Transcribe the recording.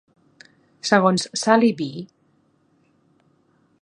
Segons Sallie B.